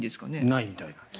ないみたいです。